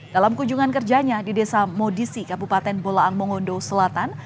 dalam kunjungan kerjanya di desa modisi kabupaten bolaang mongondo selatan